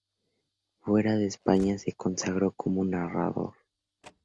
Fuera de España se consagró como narrador.